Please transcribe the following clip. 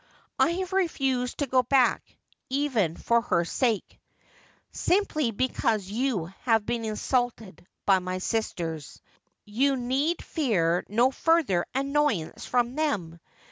' I have refused to go back, even for her sake.' ' Simply because you have been insulted by my sisters. You need fear no further annoyance from them.